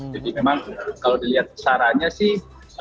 jadi memang kalau dilihat sarannya sih